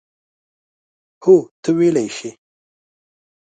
هو، ته ویلای شې.